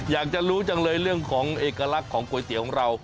อยากจะรู้จังเลยเรื่องของเอกลักษณ์ของก๋วยเตี๋ยวของเรา